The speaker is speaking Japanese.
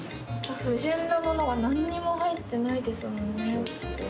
不純なものが何にも入ってないですもんね。